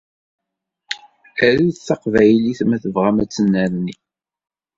Arut taqbaylit ma tebɣam ad tennerni.